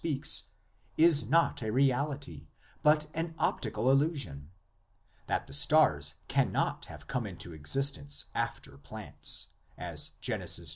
speaks, is not a reality, but an optical illu sion; that the stars cannot have come into existence after plants, as Genesis ii.